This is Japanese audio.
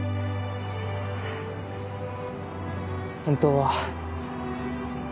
本当は。